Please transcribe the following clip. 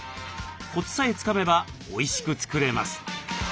コツさえつかめばおいしく作れます。